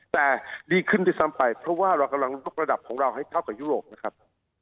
แต่ดีขึ้นด้วยซ้ำไปเพราะว่าเรากำลังยกระดับของเราให้เท่ากับยุโรปนะครับ